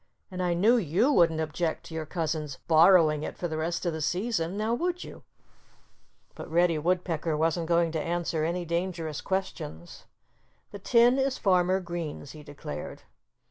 And I knew you wouldn't object to your cousin's borrowing it for the rest of the season—now would you?" But Reddy Woodpecker wasn't going to answer any dangerous questions. "The tin is Farmer Green's," he declared.